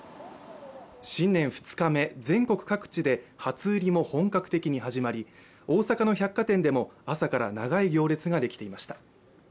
新年２日目、全国各地で初売りも本格的に始まり、大阪の百貨店でも朝から長い行列ができていました。